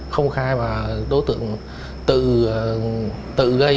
không khai mà đối tượng tự gây